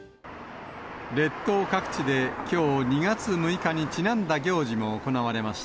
列島各地できょう２月６日にちなんだ行事も行われました。